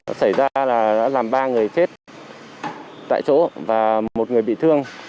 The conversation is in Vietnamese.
nó xảy ra là đã làm ba người chết tại chỗ và một người bị thương